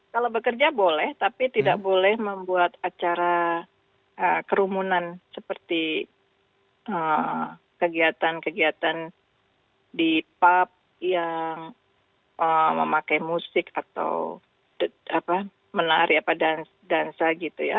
kalau bekerja boleh tapi tidak boleh membuat acara kerumunan seperti kegiatan kegiatan di pub yang memakai musik atau menari apa dansa gitu ya